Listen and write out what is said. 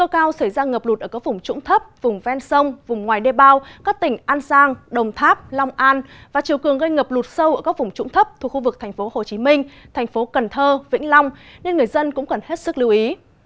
các tỉnh an giang đồng tháp long an và chiều cường gây ngập lụt sâu ở các vùng trũng thấp thuộc khu vực thành phố hồ chí minh thành phố cần thơ vĩnh long nên người dân cũng cần hết sức lưu ý